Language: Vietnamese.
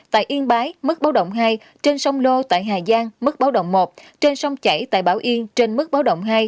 tại yên bái mức báo động hai trên sông lô tại hà giang mức báo động một trên sông chảy tại bảo yên trên mức báo động hai